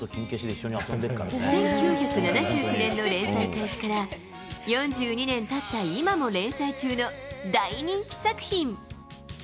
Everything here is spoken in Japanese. １９７９年の連載開始から４２年経った今も連載中の大人気作品！